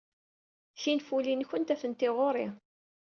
Tinfulin-nwent atenti ɣer-i.